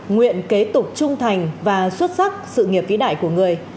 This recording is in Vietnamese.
nguyện kế tục trung thành và xuất sắc sự nghiệp vĩ đại của người